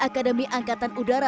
akademi angkatan udara